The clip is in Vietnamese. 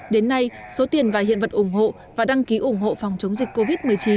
đến nay số tiền và hiện vật ủng hộ và đăng ký ủng hộ phòng chống dịch covid một mươi chín